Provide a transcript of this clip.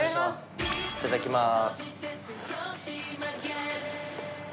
いただきまーす。